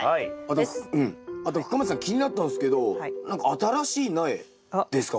あと深町さん気になったんすけど何か新しい苗ですか？